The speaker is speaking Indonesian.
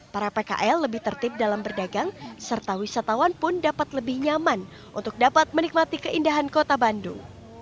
para pkl lebih tertib dalam berdagang serta wisatawan pun dapat lebih nyaman untuk dapat menikmati keindahan kota bandung